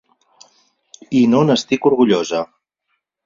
I no n’estic orgullosa.